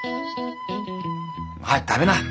早く食べな。